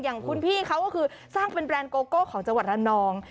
อย่างคุณพี่เขาก็คือสร้างเป็นแบรนด์โกโก้ของจังหวัดระนอง